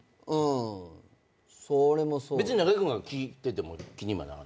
別に中居君が聴いてても気にはならない？